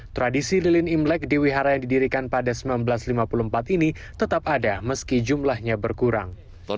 tradisi lilin imlek di wihara yang didirikan pada seribu sembilan ratus lima puluh empat ini tetap ada meski jumlahnya berkurang